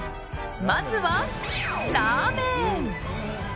まずは、ラーメン！